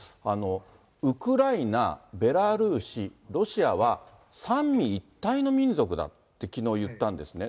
ウクライナ、ベラルーシ、ロシアは三位一体の民族だって、きのう言ったんですね。